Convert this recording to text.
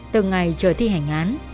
từng ngày trời thi hành án